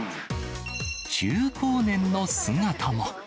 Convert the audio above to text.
中高年の姿も。